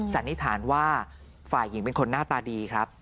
สันนิษฐานว่าฝ่ายหญิงเป็นคนหน้าตาดีครับ